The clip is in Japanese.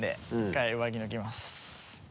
１回上着脱ぎます。